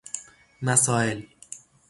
مسائل